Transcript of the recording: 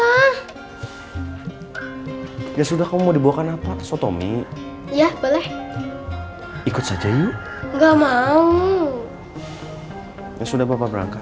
ah ya sudah kamu dibuatkan apa sotomi ya boleh ikut saja yuk enggak mau sudah bapak berangkat